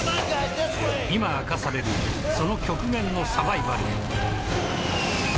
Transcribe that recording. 今明かされるその極限のサバイバル。